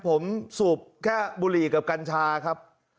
ผมสูบแค่บุหรี่กับกัญชาครับ